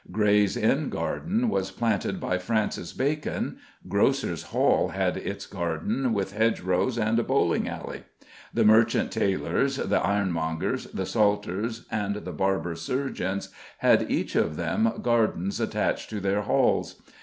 Gray's Inn Garden was planted by Francis Bacon. Grocers' Hall had its garden, with hedge rows and a bowling alley. The Merchant Taylors, the Ironmongers, the Salters, and the Barber Surgeons had each of them gardens attached to their halls.